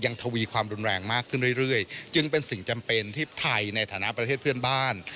ทวีความรุนแรงมากขึ้นเรื่อยจึงเป็นสิ่งจำเป็นที่ไทยในฐานะประเทศเพื่อนบ้าน